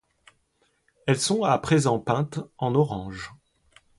Elles sont à présent peintes en orange.